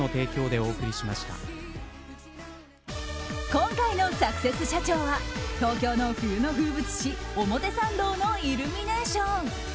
今回のサクセス社長は東京の冬の風物詩表参道のイルミネーション